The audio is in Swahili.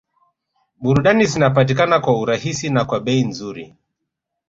Burudani zinapatikana kwa urahisi na kwa bei nzuri